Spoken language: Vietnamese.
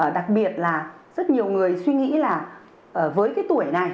đặc biệt là rất nhiều người suy nghĩ là với cái tuổi này